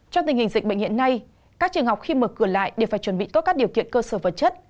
trong tình hình dịch bệnh hiện nay các trường học khi mở cửa lại đều phải chuẩn bị tốt các điều kiện cơ sở vật chất